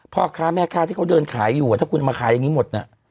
พ่อค้าแม่ค้าที่เขาเดินขายอยู่ถ้าคุณมาขายอย่างนี้หมดน่ะ